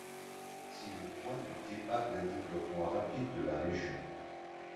C'est le point de départ d'un développement rapide de la région.